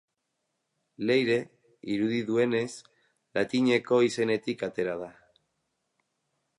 Leire, irudi duenez, latineko izenetik atera da.